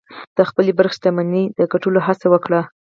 د خپلې برخې شتمني د ګټلو هڅه وکړئ.